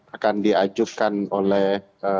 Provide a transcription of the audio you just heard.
akan diajukan oleh